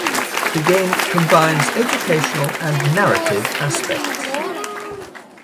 The game combines educational and narrative aspects.